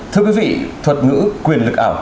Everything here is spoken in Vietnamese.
thưa quý vị thuật ngữ quyền lực ảo